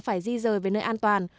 phải di rời về nơi an toàn